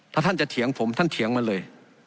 ถ้าท่านจะเถียงผมท่านเถียงมาเลย